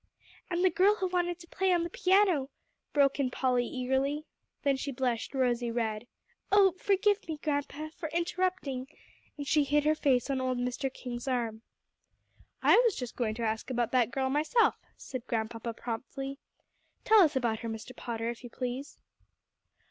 "And the girl who wanted to play on the piano?" broke in Polly eagerly. Then she blushed rosy red. "Oh, forgive me, Grandpapa, for interrupting," and she hid her face on old Mr. King's arm. "I was just going to ask about that girl, myself," said Grandpapa promptly. "Tell us about her, Mr. Potter, if you please."